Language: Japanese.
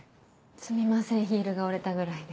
すみませんヒールが折れたぐらいで。